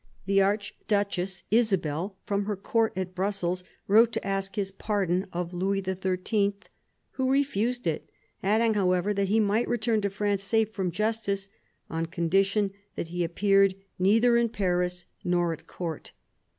The Archduchess Isabel, from her Court at Brussels, wrote to ask his pardon of Louis XIII., who refused it, adding, however, that he might return to France safe from justice, on condition that he appeared neither in Paris nor at Court.